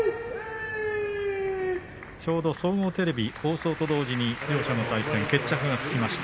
ちょうど総合テレビ放送と同時に両者の対戦、決着がつきました。